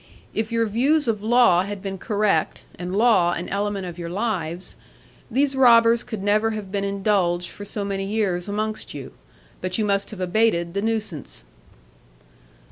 If your views of law had been correct, and law an element of your lives, these robbers could never have been indulged for so many years amongst you: but you must have abated the nuisance.'